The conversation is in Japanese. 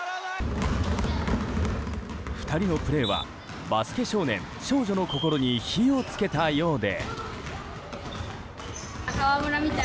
２人のプレーはバスケ少年・少女の心に火をつけたようで。